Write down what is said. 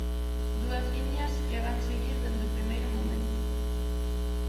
Dúas liñas que van seguir dende o primeiro momento.